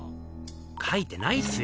書いてないっすよ